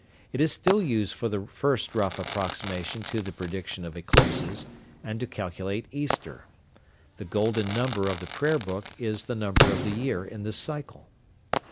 It is still used for the first rough approximation to the prediction of eclipses, and to calculate Easter. The "Golden Number" of the Prayer book is the number of the year in this cycle.